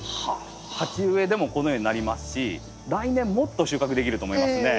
鉢植えでもこのようになりますし来年もっと収穫できると思いますね。